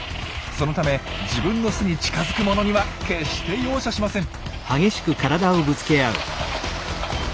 そのため自分の巣に近づくものには決して容赦しません。